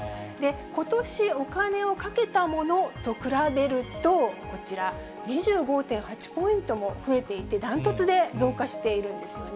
ことし、お金をかけたものと比べると、こちら、２５．８ポイントも増えていて、断トツで増加しているんですよね。